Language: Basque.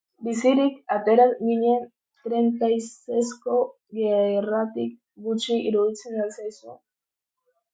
Bizirik atera ginen trentaiseisko gerratik, gutxi iruditzen al zaizu?